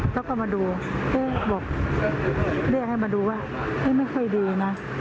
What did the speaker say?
แล้วก็มาดูบอกเรียกให้มาดูว่าไม่ค่อยดีนะ